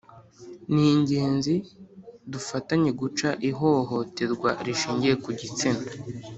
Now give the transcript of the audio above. ni ingenzi: Dufatanye guca ihohoterwa rishingiye ku gitsina